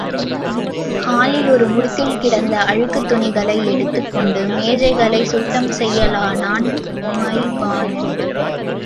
ஹாலில் ஒரு முடுக்கில் கிடந்த அழுக்குத் துணியை எடுத்துக் கொண்டு மேஜைகளைச் சுத்தம் செய்யலானான், உமைபாலன்.